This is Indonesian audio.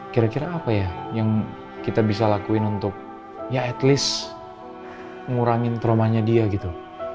kira kira apa ya yang kita bisa lakuin untuk ya at least ngurangin traumanya dia gitu